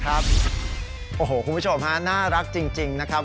ครับโอ้โหคุณผู้ชมฮะน่ารักจริงจริงนะครับ